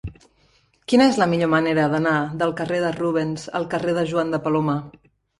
Quina és la millor manera d'anar del carrer de Rubens al carrer de Joan de Palomar?